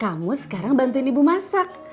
kamu sekarang bantuin ibu masak